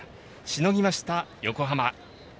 しのぎました、横浜。